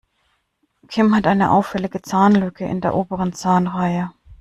Kim hat eine auffällige Zahnlücke in der oberen Zahnreihe.